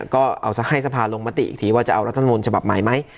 ก็เอาให้สภาลงมติอีกทีว่าจะเอารัฐมนต์ฉบับใหม่ไหม